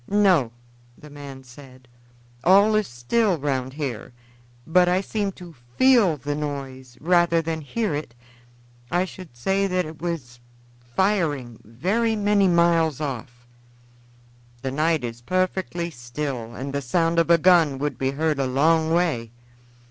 "No," the man said; "all is still round here, but I seem to feel the noise rather than hear it. I should say that it was firing, very many miles off." "The night is perfectly still, and the sound of a gun would be heard a long way."